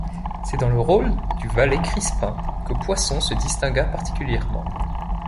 C’est dans le rôle du valet Crispin que Poisson se distingua particulièrement.